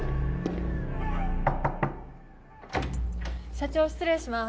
社長失礼します。